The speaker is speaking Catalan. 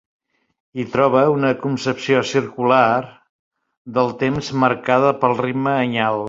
Hi trobe un concepció circular del temps marcada pel ritme anyal.